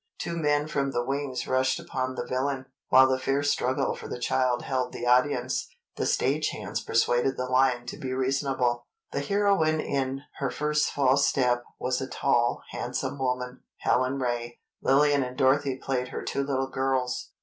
Two men from the wings rushed upon the villain, and while the fierce struggle for the child held the audience, the stage hands persuaded the lion to be reasonable. The heroine in "Her First False Step" was a tall, handsome woman, Helen Ray. Lillian and Dorothy played her two little girls.